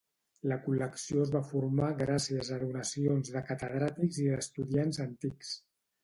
La col·lecció es va formar gràcies a donacions de catedràtics i d'estudiants antics.